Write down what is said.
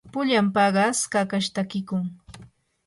pullan paqas kakash takiykun.